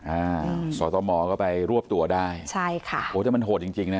อ่าสตมก็ไปรวบตัวได้ใช่ค่ะโหแต่มันโหดจริงจริงนะ